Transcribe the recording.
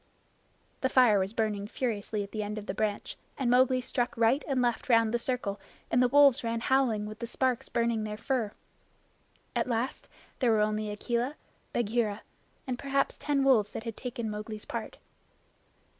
The fire was burning furiously at the end of the branch, and Mowgli struck right and left round the circle, and the wolves ran howling with the sparks burning their fur. At last there were only Akela, Bagheera, and perhaps ten wolves that had taken Mowgli's part.